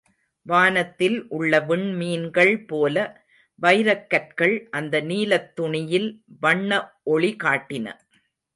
வானத்தில் உள்ள விண்மீன்கள் போல வைரக்கற்கள், அந்த நீலத் துணியில் வண்ண ஒளிகாட்டின.